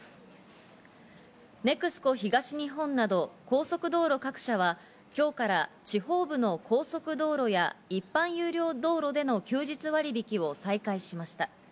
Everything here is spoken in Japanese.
ＮＥＸＣＯ東日本など高速道路各社は今日から地方部の高速道路や一般有料道路での休日割引を再開しました。